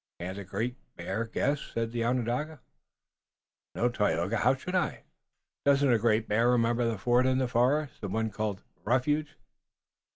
"Can't the Great Bear guess?" said the Onondaga. "No, Tayoga. How should I?" "Doesn't Great Bear remember the fort in the forest, the one called Refuge?"